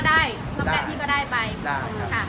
ได้แค่รถที่ห่วงมั้ง